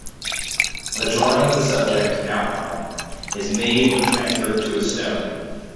A drawing of the subject, in outline, is made when transferred to a stone.